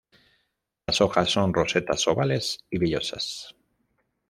Las hojas son rosetas ovales y vellosas.